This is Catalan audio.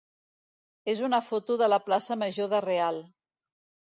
és una foto de la plaça major de Real.